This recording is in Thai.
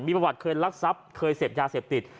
มีประวัติเคยรักทรัพย์เคยเสพยาเสพติด